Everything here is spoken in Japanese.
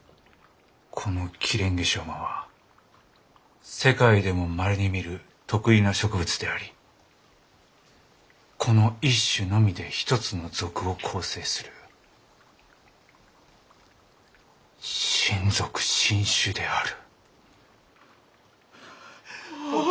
このキレンゲショウマは世界でもまれに見る特異な植物でありこの一種のみで一つの属を構成する新属新種である。